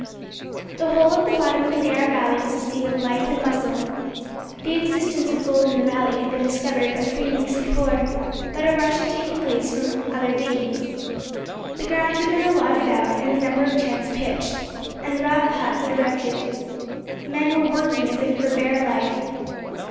The whole of the bottom of the narrow valley was a scene of life and bustle. The existence of gold in the valley had been discovered but three weeks before, but a rush had taken place from other diggings. The ground had been allotted out, and a number of tents pitched, and rough huts erected. Men were working as if for bare life.